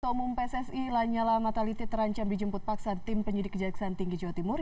ketua umum pssi lanyala mataliti terancam dijemput paksa tim penyidik kejaksaan tinggi jawa timur